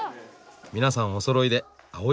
皆さんおそろいで青い服。